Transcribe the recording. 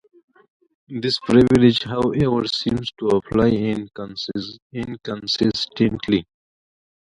This privilege however, seems to apply inconsistently.